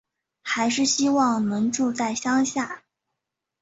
还是希望能住在乡下